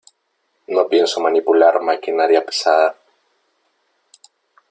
no pienso manipular maquinaria pesada .